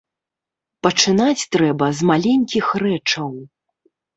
Пачынаць трэба з маленькіх рэчаў.